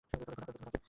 ঘোড়া ফেলবে ঘোড়াকে।